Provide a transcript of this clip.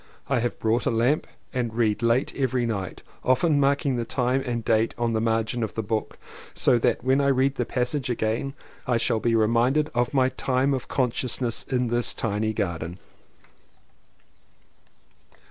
I have bought a lamp and read late every night, often marking the time and date on the margin of the book so that when I read the passage again I shall be reminded of my time of consciousness in this tiny garden.